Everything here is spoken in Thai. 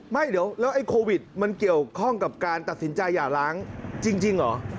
ไม่เดี๋ยวแล้วไอ้โควิดมันเกี่ยวข้องกับการตัดสินใจหย่าล้างจริงเหรอ